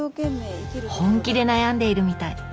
本気で悩んでいるみたい。